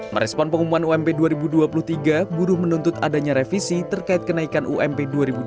merespon pengumuman ump dua ribu dua puluh tiga buruh menuntut adanya revisi terkait kenaikan ump dua ribu dua puluh